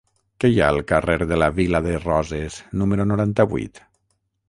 Què hi ha al carrer de la Vila de Roses número noranta-vuit?